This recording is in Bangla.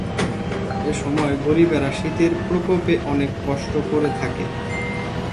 এসময় গরিবেরা শীতের প্রকোপে অনেক কষ্ট করে থাকে।